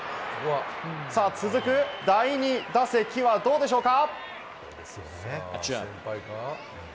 続き第２打席はどうでしょうか？